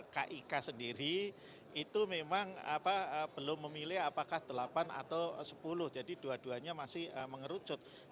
karena kan mungkin teman teman di kik kan melihat ini jangan jangan kita mau sepuluh tapi ada juga fraksi yang nggak mau karena misalnya ingin lebih banyak